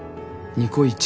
ニコイチ？